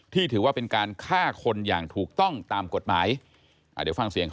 ที่ถือว่าเป็นการฆ่าคนอย่างถูกต้องตามกฎหมาย